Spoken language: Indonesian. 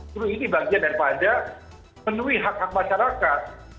terus ini bagian daripada penuhi hak hak masyarakat